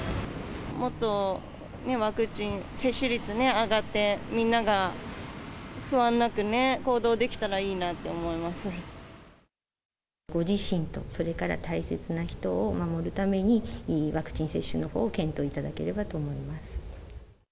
もっとワクチン接種率上がって、みんなが不安なくね、ご自身と、それから大切な人を守るために、ワクチン接種のほうを検討いただければと思います。